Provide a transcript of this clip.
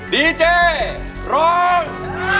ดีเจร้อง